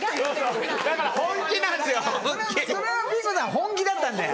本気だったんだよ。